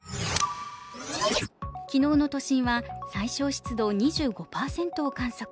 昨日の都心は最小湿度２５％を観測。